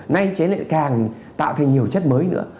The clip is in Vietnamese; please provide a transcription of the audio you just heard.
nay chế lại càng tạo thêm nhiều chất mới nữa